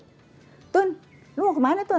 udah deh ah pagi pagi ngomongin begituan